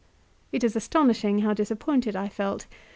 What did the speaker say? It is astonishing how disappointed I felt.